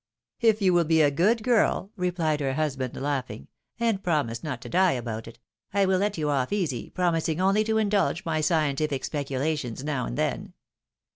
" If you will be a good girl," replied her husband, laughing, " and promise not to die about it, I will let you off easy, pro mising only to indulge my scientific speculations now and then.